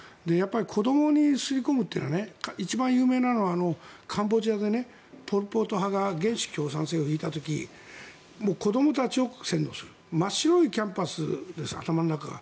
子どもに刷り込むっていうのは一番有名なのはカンボジアでポル・ポト派が原始共産制を敷いた時子どもたちを洗脳する真っ白いキャンパスです頭の中は。